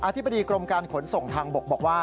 ธิบดีกรมการขนส่งทางบกบอกว่า